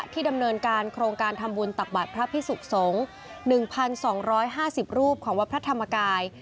ดำเนินการโครงการทำบุญตักบาทพระพิสุขสงฆ์๑๒๕๐รูปของวัดพระธรรมกาย